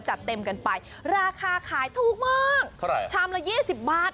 จัดเต็มกันไปราคาขายถูกมากชามละ๒๐บาท